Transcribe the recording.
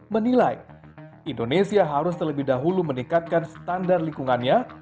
menilai indonesia harus terlebih dahulu meningkatkan standar lingkungannya